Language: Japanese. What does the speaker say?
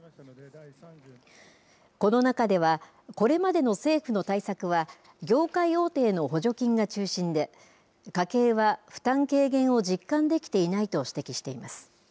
この中では、これまでの政府の対策は、業界大手への補助金が中心で、家計は負担軽減を実感できていないと指摘しています。